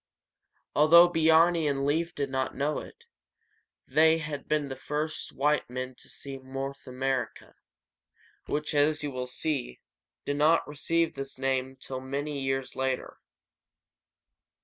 Although Biarni and Leif did not know it, they had been the first white men to see North America, which, as you will see, did not receive this name till many years later.